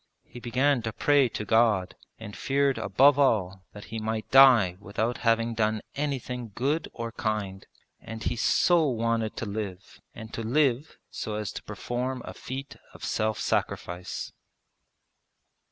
He began to pray to God, and feared above all that he might die without having done anything good or kind; and he so wanted to live, and to live so as to perform a feat of self sacrifice.